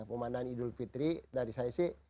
pemandangan idul fitri dari saya sih